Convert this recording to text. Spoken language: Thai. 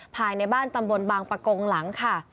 ภายในบ้านตำบลบางปะโกงหลังค่ะ